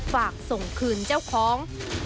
ฝากส่งคืนเจ้าของ